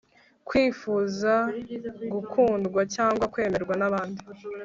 kwifuza gukundwa cyangwa kwemerwa n'abandi